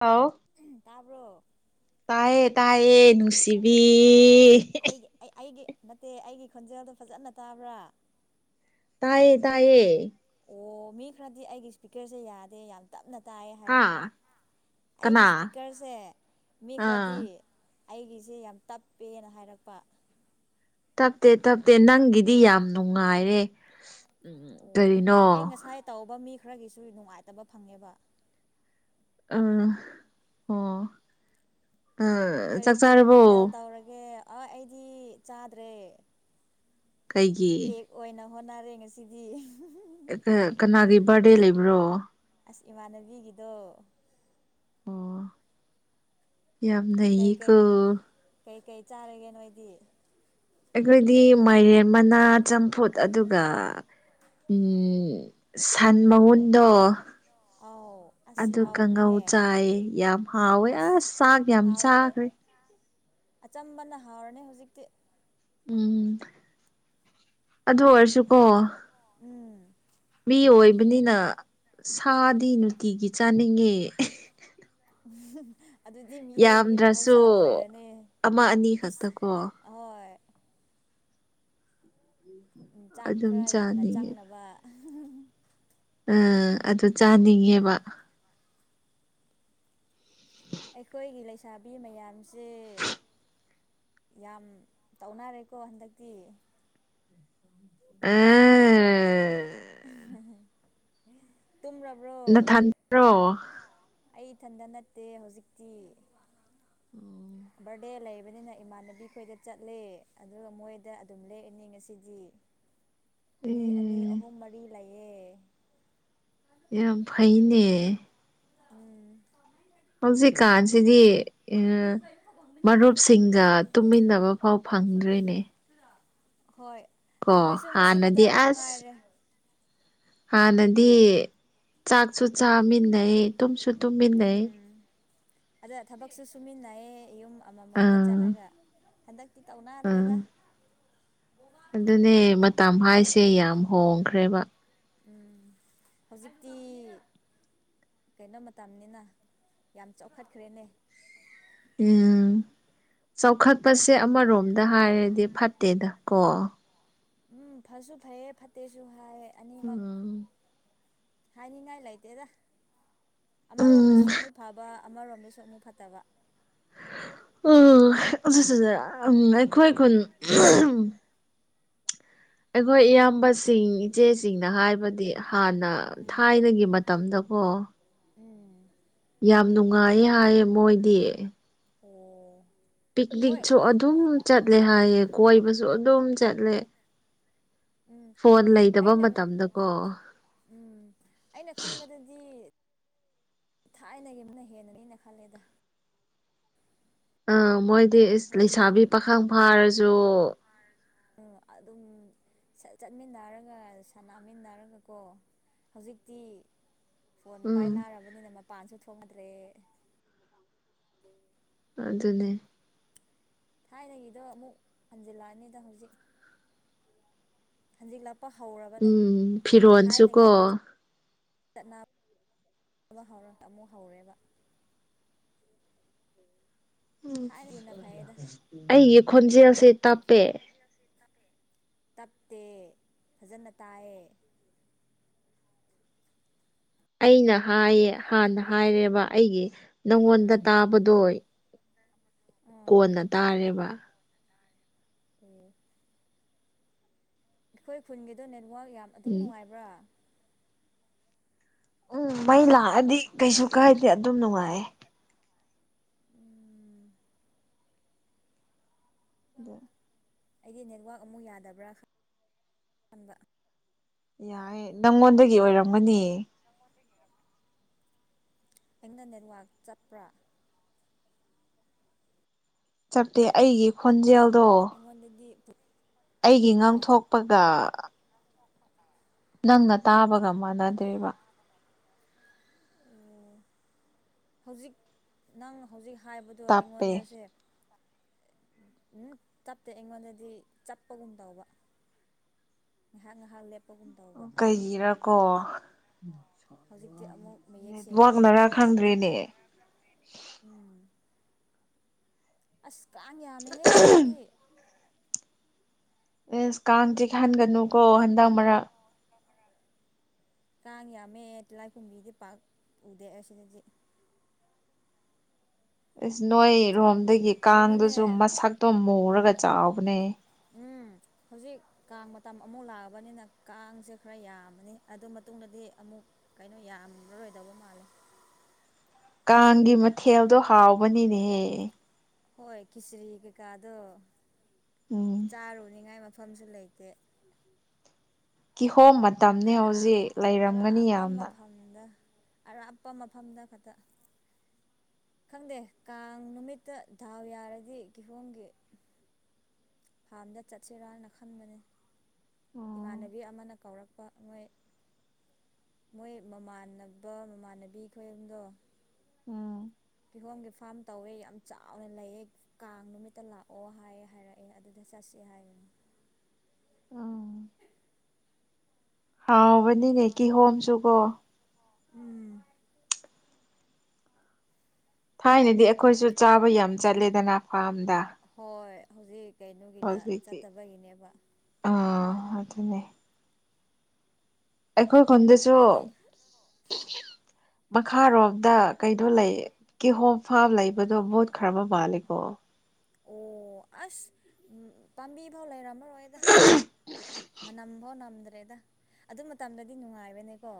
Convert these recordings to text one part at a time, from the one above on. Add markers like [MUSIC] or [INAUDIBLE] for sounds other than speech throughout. ꯍꯥꯎ ꯇꯥꯕ꯭ꯔꯣ ꯇꯥꯏ ꯇꯥꯏꯌꯦ ꯨꯁꯤꯕꯤ ꯑꯩꯒꯤ ꯑꯩꯒꯤ ꯅꯠꯇꯦ ꯑꯩꯒꯤ ꯈꯣꯟꯖꯦꯜꯗꯣ ꯐꯖꯅ ꯇꯥꯕ꯭ꯔꯥ ꯇꯌꯦ ꯇꯌꯦ ꯑꯣ ꯃꯤ ꯈꯔꯗꯤ ꯑꯩꯒꯤ ꯏꯁꯄꯤꯀꯔꯁꯦ ꯌꯥꯗꯦ ꯌꯥꯝ ꯇꯞꯅ ꯇꯥꯏ ꯍꯥꯥ ꯍꯥꯏꯔꯛꯄ ꯑꯩꯒꯤ ꯀꯅꯥ ꯏꯁꯄꯤꯀꯔꯁꯦ ꯃꯤ ꯑꯥ ꯈꯔꯗꯤ ꯑꯩꯒꯤꯁꯦ ꯌꯥꯝ ꯇꯞꯄꯦꯅ ꯍꯥꯏꯔꯛꯄ ꯇꯞꯇꯦ ꯇꯞꯇꯦ ꯅꯪꯒꯤꯗꯤ ꯌꯥꯝ ꯅꯨꯡꯉꯥꯏꯔꯦ ꯎꯝ ꯑꯣ ꯀꯔꯤꯅꯣ ꯑꯩ ꯉꯁꯥꯏ ꯇꯧꯕ ꯃꯤ ꯈꯔꯒꯤꯁꯨ ꯅꯨꯡꯉꯥꯏꯇꯕ ꯐꯪꯉꯦꯕ ꯎꯝ ꯑꯣ ꯑ ꯀꯔꯤ ꯆꯥꯛ ꯀꯔꯤ ꯃꯊꯦꯜ ꯆꯥꯔꯕꯣ ꯇꯧꯔꯒꯦ ꯑ ꯑꯩꯗꯤ ꯆꯥꯗ꯭ꯔꯦ ꯀꯩꯒꯤ ꯀꯦꯛ ꯑꯣꯏꯅ ꯍꯣꯠꯅꯔꯦ ꯉꯁꯤꯗꯤ ꯀꯅꯥꯒꯤ ꯕꯥꯔꯗꯦ ꯂꯩꯕ꯭ꯔꯣ ꯑꯁ ꯏꯃꯥꯟꯅꯕꯤꯒꯤꯗꯣ ꯑꯣ ꯌꯥꯝ ꯅ ꯀ ꯀꯩꯀꯩ ꯀꯩꯀꯩ ꯆꯥꯔꯒꯦ ꯅꯣꯏꯗꯤ ꯑꯩꯈꯣꯏꯗꯤ ꯃꯥꯏꯔꯦꯟ ꯃꯅꯥ ꯆꯝꯐꯨꯠ ꯑꯗꯨꯒ ꯎꯝ ꯁꯟ ꯃꯉꯟꯗꯣ ꯑꯥꯎ ꯑꯁ ꯑꯗꯨ ꯀꯥꯡꯉꯧ ꯍꯥꯎꯔꯅꯤꯅꯦ ꯆꯥꯏꯌꯦ ꯌꯥꯝ ꯍꯥꯎꯋꯦ ꯑꯁ ꯆꯥꯛ ꯌꯥꯝ ꯍꯥꯎꯔꯅꯤ ꯆꯥꯈ꯭ꯔꯦ ꯑꯆꯝꯕꯅ ꯍꯥꯎꯔꯅꯤ ꯍꯧꯖꯤꯛꯇꯤ ꯎꯝ ꯑꯗꯨ ꯑꯣꯏꯔꯁꯨꯀꯣ ꯎꯝ ꯃꯤ ꯑꯣꯏꯣꯏ ꯍꯥꯏꯕꯅꯤꯅ ꯁꯥꯗꯤ ꯅꯨꯡꯇꯤꯒꯤ ꯆꯥꯅꯤꯡꯉꯦ ꯎꯝ ꯑꯗꯨꯗꯤ ꯃꯤꯑꯣꯏꯕꯒꯤ ꯌꯥꯝꯗ꯭ꯔꯁꯨ ꯃꯍꯧꯁꯥ ꯑꯣꯏꯔꯅꯦ ꯑꯃ ꯑꯅꯤ ꯄꯤꯁ ꯈꯛꯇꯀꯣ ꯑꯍꯣꯏ ꯆꯥꯛ ꯑꯗꯨꯝ ꯈꯔ ꯌꯥꯝꯅ ꯆꯥꯅꯤꯡꯉꯦ ꯆꯪꯅꯕ ꯑꯥ ꯑꯗꯨ ꯆꯥꯅꯤꯡꯉꯦꯕ ꯑꯩꯈꯣꯏꯒꯤ ꯂꯩꯁꯥꯕꯤ ꯃꯌꯥꯝꯁꯦ ꯌꯥꯝ ꯇꯧꯅꯔꯦꯀꯣ ꯍꯟꯗꯛꯇꯤ ꯑ ꯎꯝꯝ ꯇꯨꯝꯔꯕ꯭ꯔꯣ ꯅꯊꯟꯇꯔꯣ ꯑꯩ ꯏꯊꯟꯇꯅ ꯠꯇꯦ ꯍꯧꯖꯤꯛꯇꯤ ꯕꯥꯔꯗꯦ ꯂꯩꯕꯅꯤꯅ ꯏꯃꯥꯟꯅꯕꯤ ꯈꯣꯏꯗ ꯆꯠꯂꯦ ꯑ ꯃꯣꯏꯗ ꯑꯗꯨꯝ ꯂꯦꯛꯑꯅꯤ ꯉꯁꯤꯗꯤ [INAUDIBLE] ꯑꯦ ꯃꯤ ꯑꯅꯤ ꯑꯍꯨꯝ ꯃꯔꯤ ꯂꯩꯑꯦ ꯌꯥꯝ ꯌꯥꯝ ꯐꯩꯅꯦ ꯎꯝ ꯍꯧꯖꯤ ꯀꯥꯟꯁꯤꯗꯤ ꯃꯔꯨꯞꯁꯤꯡꯒ ꯇꯨꯝꯃꯤꯟꯅꯕ ꯐꯥꯎ ꯐꯪꯗ꯭ꯔꯔꯤꯅꯦ ꯍꯣꯏ ꯀꯣ ꯑꯩꯈꯣꯏꯁꯨ ꯍꯥꯥ ꯉꯁꯤ ꯈꯛꯇ ꯅꯗꯤ ꯑꯃꯨꯛ ꯑꯁ ꯉꯥꯏꯔꯦ ꯍꯥꯟꯅꯗꯤ ꯆꯥꯛꯁꯨ ꯆꯥꯃꯤꯟꯅꯩ ꯇꯨꯝꯁꯨ ꯇꯨꯝꯃꯤꯟꯅꯩ ꯎꯝ ꯑꯗ ꯊꯕꯛꯁꯨ ꯁꯨꯃꯤꯟꯅꯩꯌꯦ ꯌꯨꯝ ꯑꯃꯃꯝꯗ ꯑꯥ ꯆꯠꯂꯒ ꯍꯟꯗꯛ ꯇꯧꯅ ꯑꯥ ꯑꯗꯨ꯭ꯔꯦꯖ ꯑꯗꯨꯅꯦ ꯃꯇꯝ ꯍꯥꯏꯁꯦ ꯌꯥꯝ ꯍꯣꯡꯈ꯭ꯔꯦꯕ ꯎꯝ ꯍꯧꯖꯤꯛꯇꯤ ꯀꯩꯅꯣ ꯃꯇꯝꯅꯤꯅ ꯌꯥꯝ ꯆꯥꯎꯈꯠꯈ꯭ꯔꯦꯅꯦ ꯑ ꯆꯥꯎꯈꯠꯄꯁꯦ ꯑꯃꯔꯣꯝꯗ ꯍꯥꯏꯔꯗꯤ ꯐꯠꯇꯦꯗ ꯀꯣ ꯎꯝ ꯐꯁꯨ ꯐꯩꯌꯦ ꯐꯠꯇꯦꯁꯨ ꯍꯥꯏ ꯑꯅꯤꯃꯛ ꯎꯝ ꯍꯥꯏꯅꯤꯡꯉꯥꯏ ꯂꯩꯇꯦꯗ ꯎꯝ ꯑꯃꯔꯣꯝꯗꯁꯨ ꯑꯃꯨꯛ ꯐꯕ ꯑꯃꯔꯣꯝꯗꯁꯨ ꯑꯃꯨꯛ ꯐꯠꯇꯕ ꯎꯝ ꯎꯝ ꯑꯩꯈꯣꯏ ꯑꯩꯈꯣꯏ ꯑꯩꯈꯣꯏ ꯏꯌꯥꯝꯕꯁꯤꯡ ꯏꯆꯦꯁꯤꯡꯅ ꯍꯥꯏꯕꯗꯤ ꯍꯥꯟꯅ ꯊꯥꯏꯅꯒꯤ ꯃꯇꯝꯗꯀꯣ ꯎꯝ ꯌꯥꯝ ꯅꯨꯡꯉꯥꯏ ꯍꯥꯏꯌꯦ ꯃꯣꯏꯗꯤ ꯑꯣ ꯍꯣꯏ ꯄꯤꯛꯅꯤꯛꯁꯨ ꯑꯗꯨꯝ ꯆꯠꯂꯦ ꯍꯥꯏꯌꯦ ꯀꯣꯏꯕꯁꯨ ꯑꯗꯨꯝ ꯆꯠꯂꯦ ꯎꯝ ꯐꯣꯟ ꯂꯩꯇꯕ ꯑꯩꯅ ꯃꯇꯝꯗꯀꯣ ꯎꯝ ꯑꯩꯅ ꯈꯟꯕꯗꯗꯤ ꯊꯥꯏꯅꯒꯤ ꯑꯃꯅ ꯍꯦꯟꯅꯅꯦꯩꯅ ꯈꯜꯂꯦꯗ ꯑꯥ ꯃꯣꯏꯗꯤ ꯏꯁ ꯍꯥꯏꯕꯗꯤ ꯂꯩꯁꯥꯕꯤ ꯄꯥꯈꯪ ꯐꯥꯔꯁꯨ ꯎ ꯑꯗꯨꯝ ꯆꯠꯃꯤꯟꯅꯔꯒ ꯁꯥꯟꯅꯃꯤꯟꯅꯔꯒ ꯀꯣ ꯍꯧꯖꯤꯛꯇꯤ ꯐꯣꯟ ꯎꯝ ꯄꯥꯏꯅꯔꯕꯅꯤꯅ ꯃꯄꯥꯟꯁꯨ ꯊꯣꯡꯅꯗ꯭ꯔꯦ ꯑꯗꯨ ꯑꯗꯨꯅꯦ ꯊꯥꯏꯅꯒꯤꯗꯣ ꯑꯃꯨꯛ ꯍꯟꯖꯤꯜꯂꯛꯑꯅꯤꯗ ꯍꯧꯖꯤꯛ ꯍꯖꯤ ꯂ ꯎꯝ ꯐꯤꯔꯣꯟꯜꯁꯨꯀꯣ ꯍꯧꯔꯛꯇ ꯑꯃꯨꯛ ꯍꯧꯔꯦꯕ ꯊꯥꯏꯅꯒꯤꯅ ꯐꯩꯌꯦꯗ ꯎ ꯑꯩꯒꯤ ꯈꯣꯟꯖꯦꯜꯁꯦ ꯇꯥꯞꯄꯦ ꯇꯞꯇꯦ ꯐꯖꯅ ꯇꯥꯏꯑ ꯑꯩꯅ ꯍꯥꯏꯌꯦ ꯍꯥꯟꯅ ꯍꯥꯏꯔꯦꯕ ꯑꯩꯒꯤ ꯅꯪꯉꯣꯟꯗ ꯇꯥꯕꯗꯣ ꯑꯥ ꯀꯣꯟꯅ ꯇꯥꯔꯦꯕ ꯑꯣ ꯑꯩꯈꯣꯏ ꯈꯨꯟꯒꯤꯗꯣ ꯅꯦꯠꯋꯥꯛꯛ ꯌꯥꯝ ꯑꯗꯨꯝ ꯎꯝ ꯅꯨꯡꯉꯥꯏꯕ꯭ꯔꯥ ꯎꯝ ꯃꯩ ꯂꯥꯛꯑꯗꯤ ꯀꯩꯁꯨ ꯀꯥꯏꯗꯦ ꯑꯗꯨꯝ ꯅꯨꯡꯉꯥꯏ ꯎꯝ ꯑ ꯑꯩꯗꯤ ꯅꯦꯠꯋꯥꯛ ꯑꯃꯨꯛ ꯌꯥꯗꯕ꯭ꯔꯥ ꯈꯕ ꯌꯥꯏ ꯅꯪꯉꯣꯟꯗꯒꯤ ꯑꯣꯏꯔꯝꯒꯅꯤ ꯑꯩꯅ ꯅꯦꯠꯋꯥꯛ ꯆꯠꯄ꯭ꯔꯥ ꯆꯞꯇꯦ ꯑꯩꯒꯤ ꯈꯣꯟꯖꯦꯜ ꯑꯩꯉꯣꯟꯗꯗꯤ ꯑꯩꯒꯤ ꯑꯥ ꯉꯥꯡꯊꯣꯛꯄꯒ ꯅꯪꯅ ꯇꯥꯕꯒ ꯃꯥꯟꯅꯗ꯭ꯔꯦꯕ ꯍꯧꯖꯤꯛ ꯅꯪ ꯍꯧꯖꯤꯛ ꯍꯥꯏꯕꯗꯣ ꯇꯞꯄꯦ ꯑꯩꯉꯣꯟꯗꯁꯦ ꯎꯝ ꯆꯞꯠꯇꯦ ꯑꯩꯉꯣꯟꯗꯗꯤ ꯆꯠꯄꯒꯨꯝ ꯇꯧꯕ ꯉꯥꯏꯍꯥꯛ ꯉꯍꯥꯛ ꯂ ꯀꯩꯒꯤꯔꯥꯀꯣ ꯍꯧꯖꯤꯛꯇꯤ ꯑꯃꯨꯛ ꯃꯌꯦꯛ ꯁꯦꯡꯈ꯭ꯔꯦ ꯅꯦꯠꯋꯥꯛꯅꯔ ꯈꯪꯗ꯭ꯔꯔꯤꯅꯦ ꯎꯝ ꯑꯁ ꯀꯥꯟ ꯌꯥꯝꯃꯦꯍꯦ ꯁꯤꯗꯗꯤ ꯑꯦꯁ ꯀꯥꯡ ꯆꯤꯍꯟꯒꯅꯨ ꯀꯣ ꯍꯟꯗꯛ ꯃꯔꯛ ꯀꯥꯡ ꯌꯥꯝꯃꯦ ꯂꯥꯏꯈꯨꯝꯕꯤꯗꯤ ꯄꯥꯛ ꯎꯗꯦ ꯑꯁꯤꯅꯗꯤ ꯑꯁ ꯅꯣꯏꯔꯣꯝꯗꯒꯤ ꯀꯩꯅꯣꯅꯦ ꯀꯥꯡꯗꯨꯁꯨ ꯃꯁꯛꯇꯣ ꯃꯨꯔꯒ ꯆꯥꯎꯕꯅꯦ ꯎꯝ [INAUDIBLE] ꯍꯧꯖꯤꯛ ꯀꯥꯡ ꯃꯇꯝ ꯑꯃꯨꯛ ꯂꯥꯛꯑꯕꯅꯤꯅ ꯀꯥꯡꯁꯦ ꯈꯔ ꯌꯥꯝꯃꯅꯤ ꯑꯗꯨ ꯃꯇꯨꯡꯗꯗꯤ ꯑꯃꯨꯛ ꯀꯩꯅꯣ ꯌꯥꯝꯃꯔꯣꯏꯗꯧꯕ ꯃꯥꯜꯂꯦ ꯎꯝ ꯀꯥꯡꯒꯤ ꯃꯊꯦꯜꯗꯣ ꯍꯥꯎꯕꯅꯤꯅꯦꯍꯦ ꯍꯣꯏ ꯈꯤꯆꯔꯤ ꯀꯩꯀꯥꯗꯣ ꯎꯝ ꯆꯥꯔꯨꯅꯤꯉꯥꯏ ꯃꯐꯝꯁꯨ ꯂꯩꯇꯦ ꯊꯣꯝ ꯃꯇꯝꯅꯤ ꯍꯧꯖꯤꯛ ꯑꯔꯥꯞꯄ ꯂꯩꯔꯝꯒꯅꯤ ꯑꯔꯥꯞꯄ ꯌꯥꯝꯅ ꯃꯐꯝꯗ ꯑꯔꯥꯞꯄ ꯃꯐꯝꯗ ꯈꯛꯇ ꯈꯪꯗꯦ ꯀꯥꯡ ꯅꯨꯃꯤꯠꯇ ꯙꯥꯎ ꯌꯥꯔꯗꯤ ꯀꯤꯍꯣꯝꯒꯤ ꯐꯥꯔꯝꯗ ꯆꯠꯁꯤꯔꯥꯅ ꯈꯟꯕꯅꯤ ꯎꯝ ꯏꯃꯥꯟꯅꯕꯤ ꯑꯃꯅ ꯀꯧꯔꯛꯄ ꯃꯣꯏ ꯃꯣꯏ ꯃꯃꯥꯟꯅꯕ ꯃꯃꯥꯟꯅꯕꯤ ꯈꯣꯏ ꯑꯝꯗꯣ ꯎꯝ ꯐꯤꯍꯣꯝꯒꯤ ꯐꯥꯝ ꯇꯧꯋꯦ ꯌꯥꯝ ꯆꯥꯎꯅ ꯂꯩꯑ ꯀꯥꯡ ꯅꯨꯃꯤꯠꯇ ꯂꯥꯛꯑꯣ ꯍꯥꯏꯌꯦ ꯍꯥꯏꯔꯛꯑꯦ ꯑꯗꯨꯗ ꯆꯠꯁꯤ ꯑꯣ ꯍꯥꯎꯕꯅꯤꯅꯦ ꯀ ꯍꯣꯝꯁꯨ ꯀꯣ ꯎꯝ ꯊꯥꯏꯅꯗꯤ ꯑꯩꯈꯣꯏꯁꯨ ꯆꯥꯕ ꯌꯥꯝ ꯆꯠꯂꯦꯗꯅ ꯐꯥꯔꯝꯗ ꯍꯣꯏ ꯍꯧꯖꯤꯛ ꯀꯩꯅꯣꯒꯤꯅ ꯍꯧꯖꯤꯛꯇꯤ ꯆꯠꯇꯕꯒꯤꯅꯦꯕ ꯑꯗꯨ ꯑꯗꯨꯅꯦ ꯀꯣꯏ ꯈꯗꯁꯨꯣ ꯑꯩꯗꯤ ꯃꯈꯥꯔꯣꯝꯗ ꯀꯩꯅꯣ ꯂꯩ ꯀꯦꯍꯣꯝ ꯐꯥꯝ ꯂꯩꯕꯗꯣ ꯃꯨꯠ ꯈꯔ ꯑꯃ ꯃꯥꯜꯂꯦꯀꯣ ꯑꯣ ꯑꯁ ꯎ ꯄꯥꯝꯕꯤ ꯐꯥꯎ ꯂꯩꯔꯝꯃꯔꯣꯏꯗ ꯃꯅꯝꯐꯥꯎ ꯅꯝꯗ꯭ꯔꯦꯗ ꯑꯗꯨ ꯃꯇꯝꯗꯗꯤ ꯅꯨꯡꯉꯥꯏꯕꯅꯦꯀꯣ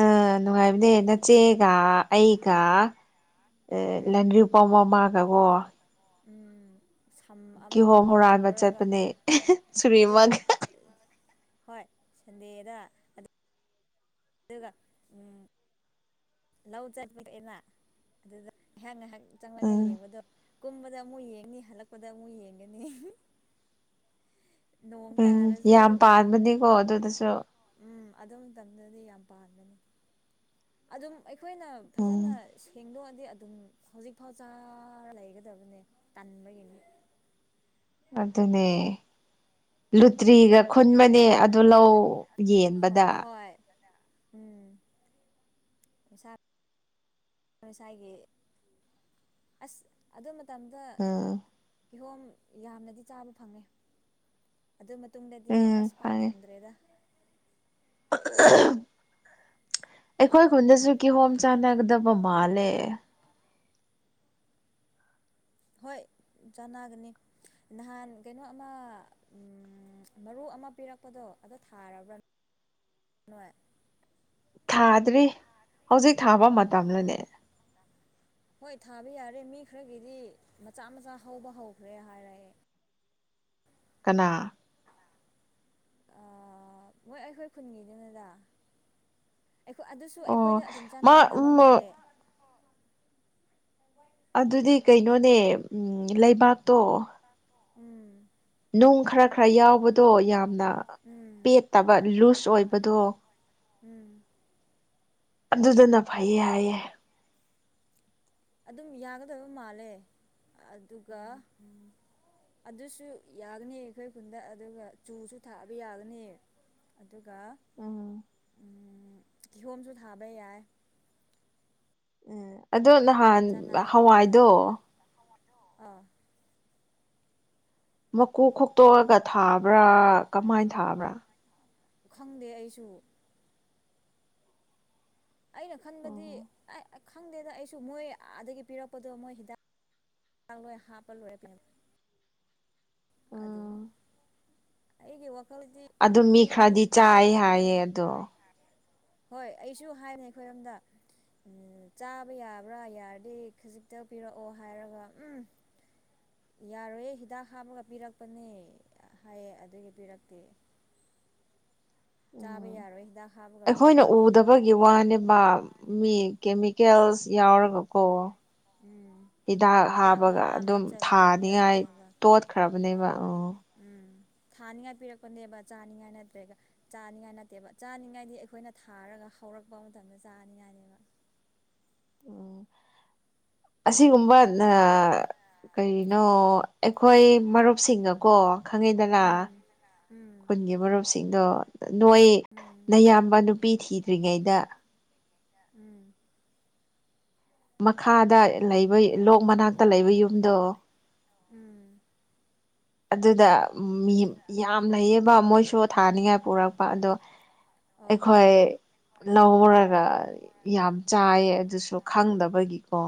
ꯑ ꯅꯨꯡꯉꯥꯏꯕꯅꯦ ꯅꯆꯦꯒ ꯑꯩꯒ ꯂꯟꯗ꯭ꯔꯤ ꯎꯝ ꯄꯥꯎ ꯃꯃ ꯑꯗꯔꯕꯣ ꯎꯝ ꯁꯝ ꯑꯃ ꯀꯤꯍꯣꯝ ꯑꯃꯒ ꯍꯨꯔꯥꯟꯕ ꯄꯨꯔꯒ ꯆꯠꯄꯅꯦ ꯁꯨꯔꯤꯃ ꯑꯗꯨꯒ ꯍꯣꯏ ꯁꯟꯗꯦꯗ ꯑꯗꯨꯒ ꯂꯧ ꯆꯠꯄꯤꯔꯛꯑꯦꯅ ꯑꯗꯨꯗ ꯉꯥꯏꯍꯥꯛ ꯉꯥꯏꯍꯥꯛ ꯆꯪꯂꯒ ꯎꯝ ꯌꯦꯡꯕꯗꯣ ꯀꯨꯝꯕꯗ ꯑꯃꯨꯛ ꯌꯦꯡꯅꯤ ꯍꯜꯂꯛꯄꯗ ꯑꯃꯨꯛ ꯌꯦꯡꯒꯅꯤ ꯅꯣꯡ ꯎꯝ ꯇꯥꯔꯁꯨ ꯌꯥꯝ ꯄꯥꯟꯕꯅꯤꯀꯣ ꯑꯗꯨꯗꯁꯨ ꯎꯝ ꯑꯗꯨ ꯃꯇꯝꯗꯗꯤ ꯌꯥꯝ ꯄꯥꯝꯒꯅꯤ ꯑꯗꯨꯝ ꯑꯩꯈꯣꯏꯅ ꯎꯝ ꯐꯖꯅ ꯁꯦꯡꯗꯣꯛꯑꯦ ꯗꯤ ꯑꯗꯨꯝ ꯍꯧꯖꯤꯛꯐꯥꯎ ꯆꯥꯔ ꯂꯩꯒꯗꯕꯅꯦ ꯇꯟꯥꯟꯕꯒꯤꯅꯤ ꯑꯗꯨꯅꯦ ꯂꯨꯇ꯭ꯔꯤꯒ ꯈꯨꯟꯕꯅꯦ ꯑꯗꯨ ꯂꯧ ꯍꯣ ꯌꯦꯟꯕꯗ ꯍꯣꯏ ꯎꯝ ꯁꯥ ꯉꯁꯥꯏꯒꯤ ꯑꯁ ꯑꯗꯨ ꯃꯇꯝꯗ ꯎꯝ ꯀꯤꯍꯣꯝ ꯌꯥꯝꯅꯗꯤ ꯆꯥꯕ ꯐꯪꯉꯦ ꯑꯗꯨ ꯃꯇꯨꯡꯗꯗꯤ ꯎꯝ ꯑꯁ ꯄꯥꯛ ꯐꯪꯉꯦ ꯐꯪꯗ꯭ꯔꯦꯗ [INAUDIBLE] ꯑꯩꯈꯣꯏ ꯈꯨꯟꯗꯁꯨ ꯀꯤꯍꯣꯝ ꯆꯥꯟꯅꯒꯗꯕ ꯃꯥꯜꯂꯦ ꯍꯣꯏ ꯆꯥꯟꯅꯒꯅꯤ ꯅꯍꯥꯟ ꯀꯩꯅꯣ ꯑꯃ ꯃꯔꯨ ꯑꯃ ꯄꯤꯔꯛꯄꯗꯣ ꯑꯗꯣ ꯊꯥꯔꯕ꯭ꯔ [INAUDIBLE] [INAUDIBLE] ꯊꯥꯗ꯭ꯔꯤ ꯍꯧꯖꯤꯛ ꯊꯥꯕ ꯃꯇꯝꯂꯅꯦ ꯍꯣꯏ ꯊꯥꯕ ꯌꯥꯔꯦ ꯃꯤ ꯈꯔꯒꯤꯗꯤ ꯃꯆꯥ ꯃꯆꯥ ꯍꯧꯕ ꯍꯧꯈ꯭ꯔꯦ ꯍꯥꯏꯔꯛꯑꯦ ꯀꯅꯥ ꯃꯣꯏ ꯑꯩꯈꯣꯏ ꯈꯨꯟꯒꯤꯗꯨꯅꯦꯗꯥ ꯑꯩꯈꯣꯏ ꯑꯗꯨꯁꯨ ꯑꯣ ꯑꯩꯈꯣꯏꯗ ꯑꯗꯨꯝ ꯃꯥ ꯆꯥꯟꯅꯒꯗꯕ ꯎꯝ ꯃꯥꯜꯂꯦ ꯑꯗꯨꯗꯤ ꯀꯩꯅꯣꯅꯦ ꯎ ꯂꯩꯕꯥꯛꯇꯣ ꯎꯝ ꯅꯨꯡ ꯈꯔ ꯈꯔ ꯌꯥꯎꯕ ꯑꯣ ꯌꯥꯝꯅ ꯎꯝ ꯄꯦꯠꯇꯕ ꯂꯨꯁ ꯑꯣꯏꯕꯗꯣ ꯎꯝ ꯑꯗꯨꯗꯅ ꯐꯩꯌꯦ ꯍꯥꯏꯌꯦ ꯑꯗꯨꯝ ꯌꯥꯒꯗꯣꯏꯕ ꯃꯥꯜꯂꯦ ꯑꯗꯨꯒ ꯑꯗꯨꯁꯨ ꯌꯥꯒꯅꯤ ꯑꯩꯈꯣꯏ ꯈꯨꯟꯗ ꯑꯗꯨꯒ ꯆꯨꯁꯨ ꯊꯥꯕ ꯌꯥꯒꯅꯤ ꯑꯗꯨꯒ ꯎꯝ ꯀꯤꯍꯣꯝꯁꯨ ꯊꯥꯕ ꯌꯥꯏ ꯎꯝ ꯑꯗꯣ ꯅꯍꯥꯟ ꯆꯅꯥꯏ ꯑꯩꯈꯣꯏꯗ ꯍꯋꯥꯏꯗꯣ ꯑꯥ ꯃꯀꯨ ꯈꯣꯛꯇꯣꯛꯑꯒ ꯊꯥꯕ꯭ꯔꯥ ꯀꯃꯥꯏꯅ ꯊꯥꯕ꯭ꯔꯥ ꯈꯪꯗꯦ ꯑꯩꯁꯨ ꯑꯩꯅ ꯈꯟꯕꯗꯤ ꯑꯣ ꯈꯪꯗꯦꯗ ꯑꯩꯁꯨ ꯃꯣꯏ ꯑꯗꯒꯤ ꯄꯤꯔꯛꯄꯗꯣ ꯃꯣꯏ ꯍꯤꯗꯥꯛ ꯂꯣꯏ ꯍꯥꯞꯄ ꯂꯣꯏꯔꯦꯃꯤ ꯑꯗꯨꯝ ꯎꯝ ꯑꯩꯒꯤ ꯋꯥ ꯑꯗꯨ ꯃꯤ ꯈꯔꯗꯤ ꯆꯥꯏ ꯍꯥꯏꯌꯦ ꯑꯗꯣ ꯍꯣꯏ ꯑꯩꯁꯨ ꯍꯥꯏꯕꯅꯦ ꯑꯩꯈꯣꯏꯔꯣꯝꯗ ꯎꯝ ꯆꯥꯕ ꯌꯥꯕ꯭ꯔꯥ ꯌꯥꯔꯗꯤ ꯈꯖꯤꯛꯇ ꯄꯤꯔꯛꯑꯣ ꯍꯥꯏꯔꯒ ꯎꯝ [INAUDIBLE] ꯌꯥꯔꯣꯏꯌꯦ ꯍꯤꯗꯥꯛ ꯍꯥꯞꯃꯒ ꯄꯤꯔꯛꯄꯅꯦ ꯍꯥꯏꯌꯦ ꯑꯗꯨꯒꯤ ꯄꯤꯔꯛꯇꯦ [INAUDIBLE] ꯆꯥꯕ ꯎꯝ ꯌꯥꯔꯣꯏ ꯍꯤꯗꯥꯛ ꯍꯥꯞꯄꯒ ꯑꯩꯈꯣꯏꯅ ꯄꯤꯔꯛꯄꯅꯦ ꯎꯗꯕꯒꯤ ꯋꯥꯅꯦꯕ ꯃꯤ ꯀꯦꯃꯤꯀꯦꯜꯁ ꯌꯥꯎꯔꯒ ꯀꯣ ꯎꯝ ꯍꯤꯗꯥꯛ ꯍꯥꯞꯄꯒ ꯃꯌꯥꯝ ꯑꯗꯨꯝ ꯍꯥꯞꯆꯤꯜꯂꯒ ꯊꯥꯅꯤꯉꯥꯏ ꯄꯤꯔꯛꯄꯅꯦꯕ ꯇꯣꯠꯈ꯭ꯔꯕꯅꯦꯕ ꯎ [INAUDIBLE] ꯎꯝ ꯊꯥꯅꯤꯡꯉꯥꯏ ꯄꯤꯔꯛꯄꯅꯦꯕ ꯆꯥꯅꯤꯡꯉꯥꯏ ꯅꯠꯇ꯭ꯔꯦꯒ ꯆꯥꯅꯤꯡꯉꯥꯏ ꯅꯠꯇꯦꯕ ꯆꯥꯅꯤꯡꯉꯥꯏꯗꯤ ꯑꯩꯈꯣꯏꯅ ꯊꯥꯔꯒ ꯍꯧꯔꯛꯄ ꯃꯇꯝꯗ ꯆꯥꯅꯤꯉꯥꯏꯅꯦꯕ [INAUDIBLE] ꯑꯁꯤꯒꯨꯝꯕ ꯑ ꯀꯩꯅꯣ ꯀꯩꯅꯣ ꯑꯩꯈꯣꯏ ꯃꯔꯨꯞꯁꯤꯡꯒꯀꯣ ꯈꯪꯉꯤꯗꯅ ꯎꯝ ꯎꯝ ꯈꯨꯟꯒꯤ ꯃꯔꯨꯞꯁꯤꯡꯗꯣ ꯅꯣꯏ ꯎꯝ ꯅꯌꯥꯝꯕ ꯅꯨꯄꯤ ꯊꯤꯗ꯭ꯔꯤꯉꯩꯗ ꯎꯝ ꯃꯈꯥꯗ ꯂꯩꯕ ꯂꯣꯛ ꯃꯅꯥꯛꯇ ꯂꯩꯕ ꯌꯨꯝꯗꯣ ꯎꯝ ꯑꯗꯨꯗ ꯃꯤ ꯌꯥꯝ ꯂꯩꯩꯌꯦꯕ ꯃꯣꯏꯁꯨ ꯊꯥꯅꯤꯉꯥꯏ ꯄꯨꯔꯛꯄ ꯑꯗꯣ ꯑꯗꯣ ꯑꯣ ꯑꯩꯈꯣꯏ ꯂꯧꯔꯒ ꯌꯥꯝ ꯆꯥꯏꯌꯦ ꯑꯗꯨꯁꯨ ꯈꯪꯗꯕꯒꯤꯀꯣ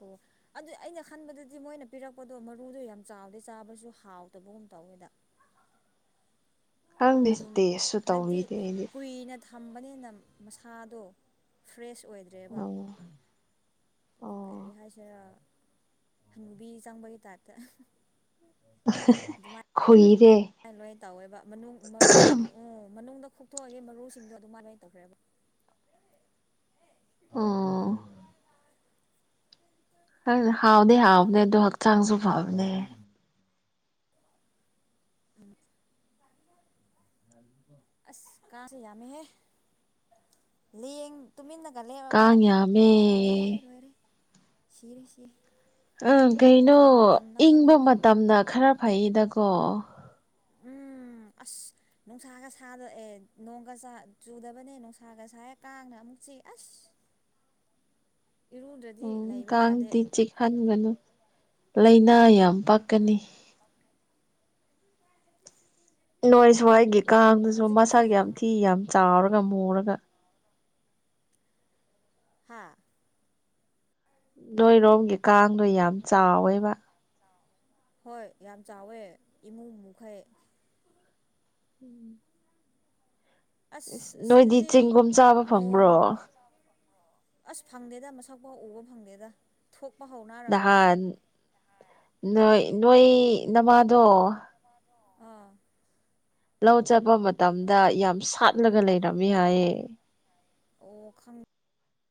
ꯑꯣ ꯑꯗꯨ ꯑꯩꯅ ꯈꯟꯕꯗꯗꯤ ꯃꯣꯏꯅ ꯄꯤꯔꯛꯄꯗꯣ ꯃꯔꯨꯗꯣ ꯌꯥꯝ ꯆꯥꯎꯗꯦ ꯆꯥꯕꯁꯨ ꯍꯥꯎꯗꯕꯒꯨꯝ ꯇꯧꯋꯦꯗ ꯈꯪꯗꯦ ꯑꯗꯨꯝ ꯇꯦꯁꯁꯨ ꯍꯥꯏꯕꯗꯤ ꯇꯧꯔꯤꯗ ꯑꯩꯗꯤ ꯀꯨꯏꯅ ꯊꯝꯕꯅꯤꯅ ꯃꯁꯥꯗꯣ ꯐ꯭ꯔꯦꯁ ꯑꯣꯏꯗ꯭ꯔꯦꯕ ꯑꯣ ꯑꯣ ꯀꯔꯤ ꯍꯥꯏꯁꯤꯔꯥ ꯍꯨꯕꯤ ꯆꯪꯕꯒꯤ ꯇꯥꯏꯞꯇ ꯈꯣꯏ ꯂꯥꯏ ꯂꯣꯏ ꯇꯧꯋꯦꯕ ꯃꯅꯨꯡ ꯎ ꯃꯅꯨꯡꯗ ꯊꯣꯛꯇꯣꯛꯑꯒꯦ ꯃꯔꯨꯁꯤꯡꯗꯣ ꯑꯗꯨꯃꯥꯏꯅꯥꯏ ꯇꯧꯈ꯭ꯔꯦꯕ ꯑꯥ ꯍ ꯍꯥꯎꯗ ꯍꯥꯎꯗ ꯑꯗꯨꯣ ꯍꯛꯆꯥꯡꯁꯨ ꯐꯕꯅꯦ ꯎꯝ ꯑꯁ ꯀ ꯌꯥꯃꯤꯍꯦ ꯂꯩ ꯌꯦ ꯇꯨꯃꯤ ꯀꯜꯂꯦ ꯕꯕ ꯀꯥꯡ ꯌꯥꯝꯃꯦ ꯂꯣꯏꯔꯦ ꯂꯣꯏꯔꯦ ꯁꯤꯔꯦ ꯁꯤꯔꯦ ꯑ ꯀꯩꯅꯣ ꯀꯥꯡ ꯃꯇꯝ ꯏꯪꯕ ꯅꯛꯄꯅꯤꯅ ꯃꯇꯝꯗ ꯈꯔ ꯐꯩꯌꯦꯗꯀꯣ [UNINTELLIGIBLE] ꯎꯝ ꯑꯁ ꯅꯨꯡꯁꯥꯒ ꯁꯥꯗꯑꯦ ꯅꯣꯡꯒ ꯆꯨꯗꯕꯅꯦ ꯅꯨꯡꯁꯥꯒ ꯁꯥꯦ ꯀꯥꯡꯅ ꯑꯃꯨ ꯆ ꯑꯁ [UNINTELLIGIBLE] ꯏꯔꯨꯗ꯭ꯔꯗꯤ ꯎꯝ ꯂꯩꯕ ꯌꯥꯗꯦ ꯀꯒꯗꯤ ꯆꯦ ꯈꯟꯒꯅꯨ ꯂꯥꯏꯅꯥ ꯌꯥꯝ ꯄꯛꯀꯅꯤ ꯅꯣꯏ ꯁ꯭ꯋꯥꯏꯒꯤ ꯀꯥꯡꯗꯨꯁꯨ ꯍꯧꯖꯤꯛꯇꯤ ꯃꯁꯥꯒꯤ ꯌꯥꯝ ꯊꯤ ꯌꯥꯝ ꯆꯥꯎꯔꯒ ꯃꯨꯔꯒ ꯍꯥꯥ ꯅꯣꯏꯔꯣꯝꯒꯤ ꯀꯥꯡꯗꯣ ꯌꯥꯝ ꯆꯥꯎꯋꯦꯕ ꯍꯣꯏ ꯌꯥꯝ ꯆꯥꯎꯋꯦ ꯏꯃꯨꯡꯩ ꯎꯝ ꯁ ꯑꯁ ꯅꯣꯏꯗꯤ ꯑꯁꯤꯗꯗꯤ ꯆꯦꯡꯒꯨꯝ ꯆꯥꯕ ꯅꯣꯡ ꯐꯪꯕ꯭ꯔꯣ ꯑꯁ ꯐꯪꯗꯦꯗ ꯃꯁꯛ ꯄꯥꯎ ꯎꯕ ꯐꯪꯗꯦꯗ ꯊꯣꯛꯄ ꯍꯧꯥꯎꯅꯔꯕ꯭ꯔꯥ ꯅꯍꯥꯟ ꯅꯣꯏ ꯅꯣꯏ ꯅꯃꯥꯗꯣ ꯑꯥ ꯂꯧ ꯆꯠꯄ ꯃꯇꯝꯗ ꯌꯥꯝ ꯁꯥꯠꯂꯒ ꯂꯩꯔꯝꯃꯤ ꯍꯥꯏꯌꯦ ꯑꯣ ꯈꯪ